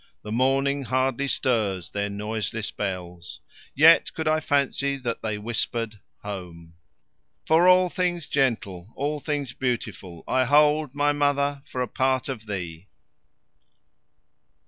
The morning hardly stirs their noiseless bells; Yet could I fancy that they whispered "Home," For all things gentle, all things beautiful, I hold, my mother, for a part of thee.